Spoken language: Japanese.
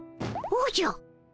おじゃ！